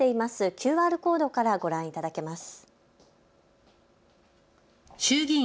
ＱＲコードからご覧いただけます。